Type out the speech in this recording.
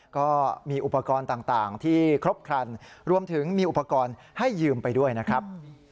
ก็มีอุปกรณ์ต่างที่ครบครันรวมถึงมีอุปกรณ์ให้ยืมไปด้วยนะครับ